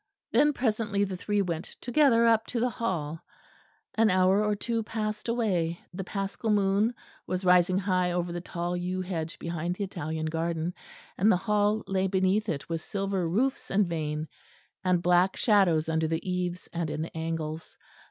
Then presently the three went together up to the Hall. An hour or two passed away; the Paschal moon was rising high over the tall yew hedge behind the Italian garden; and the Hall lay beneath it with silver roofs and vane; and black shadows under the eaves and in the angles.